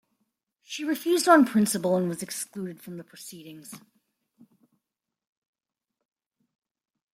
She refused on principle and was excluded from the proceedings.